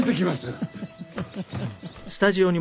フフフフ！